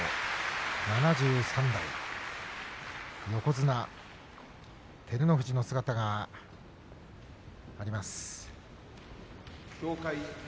７３代横綱照ノ富士の姿があります。